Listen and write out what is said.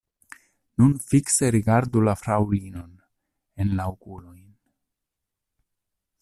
Nun fikse rigardu la fraŭlinon en la okulojn.